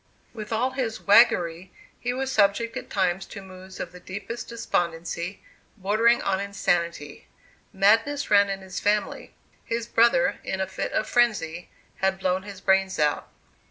With all his waggery he was subject at times to moods of the deepest despondency, bordering on insanity. Madness ran in his family. His brother, in a fit of frenzy, had blown his brains out.